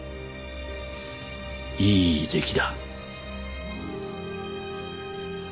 いい出来だ。